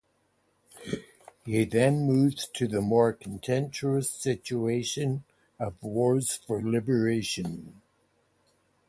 He then moves to the more contentious situation of wars for liberation.